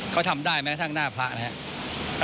เขาทำได้ไหมทั้งหน้าพระนะครับ